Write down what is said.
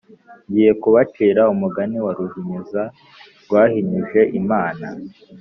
Ngiye kubacira umugani wa Ruhinyuza rwahinyuje Imana.